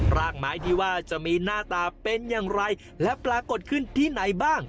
รากไม้ที่ว่าจะมีหน้าตาเป็นอย่างไรและปรากฏขึ้นที่ไหนบ้าง